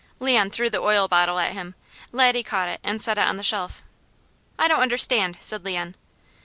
Leon threw the oil bottle at him. Laddie caught it and set it on the shelf. "I don't understand," said Leon.